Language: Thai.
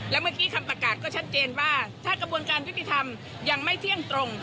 และเมื่อกี้คำประกาศก็ชัดเจนว่าถ้ากระบวนการยุติธรรมยังไม่เที่ยงตรง